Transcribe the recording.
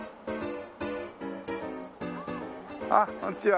あっこんにちは。